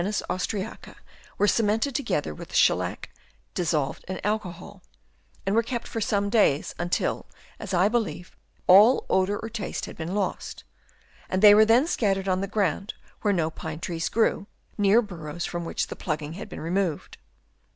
austriaca were cemented together with shell lac dis solved in alcohol, and were kept for some days, until, as I believe, all odour or taste had been lost; and they were then scattered on the ground where no pine trees grew, near burrows from which the plugging had been removed.